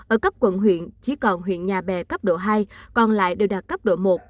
ở cấp quận huyện chỉ còn huyện nhà bè cấp độ hai còn lại đều đạt cấp độ một